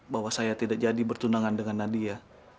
bahwa saya tidak jadi bertunangan dengan nadia